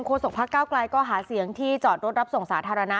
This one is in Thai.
สกพักเก้าไกลก็หาเสียงที่จอดรถรับส่งสาธารณะ